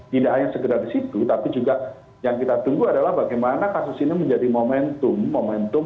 tidak hanya segera di situ tapi juga yang kita tunggu adalah bagaimana kasus ini menjadi momentum momentum